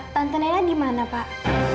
tante nenek di mana pak